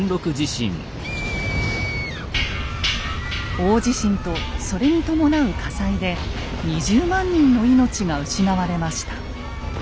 大地震とそれに伴う火災で２０万人の命が失われました。